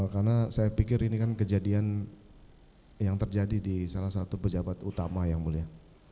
karena saya pikir ini kan kejadian yang terjadi di salah satu pejabat utama yang mulia